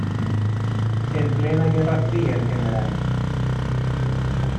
En plena Guerra Fría el Gral.